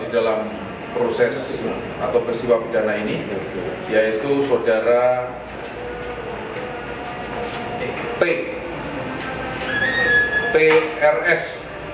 dalam proses atau persiwa bedana ini yaitu sodara trs